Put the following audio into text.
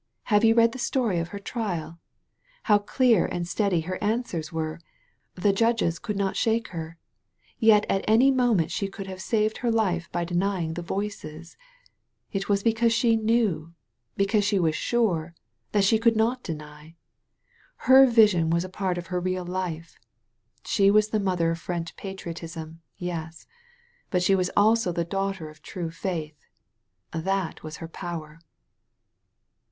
Hav^ you read the stoiy of her trial? How dear and steady her answers weie! The judges could not shake her. Yet at any moment she could have saved her life by deny ing the * voices/ It was because she knew, because she was sure, that she could not deny. Her vision was a part of her real life. She was the mother of French patriotism — yes. But she was also the daughter of true faith. That was her power."